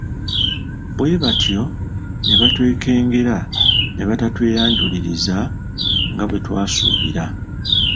Bwe batyo ne batwekengera ne batatweyanjuliriza nga bwe twasuubira.